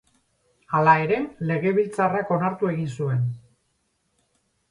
Hala ere, legebiltzarrak onartu egin zuen.